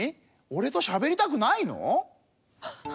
おれとしゃべりたくないの？